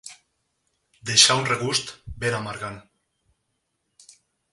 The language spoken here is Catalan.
Deixà un regust ben amargant.